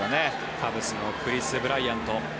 カブスのクリス・ブライアント。